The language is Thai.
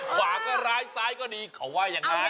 ขวาก็ร้ายซ้ายก็ดีเขาว่ายังไง